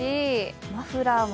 マフラーも。